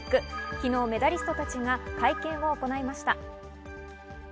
昨日メダリストたちが会見を行いました。